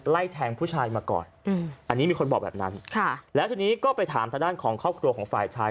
ไล่แทงผู้ชายมาก่อนอืมอันนี้มีคนบอกแบบนั้นแล้วทีนี้ก็ไปถามทางด้านของครอบครัวของฝ่ายชาย